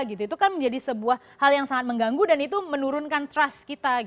itu kan menjadi sebuah hal yang sangat mengganggu dan itu menurunkan trust kita